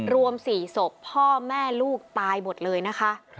รวม๔ศพพ่อแม่ลูกตายหมดเลยนะคะ